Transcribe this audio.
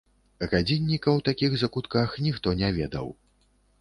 Гадзінніка ў такіх закутках ніхто не ведаў.